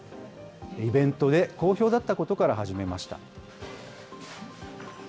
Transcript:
イベントで好評だったことから始めました。